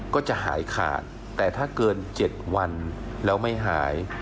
ก็จะหายขาดแต่ถ้าเกิน๗วันแล้วไม่หาย